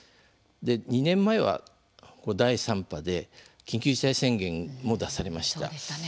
２年前は第３波で緊急事態も宣言も出されました。